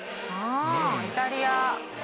あイタリア。